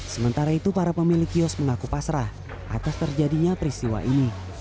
sementara itu para pemilik kios mengaku pasrah atas terjadinya peristiwa ini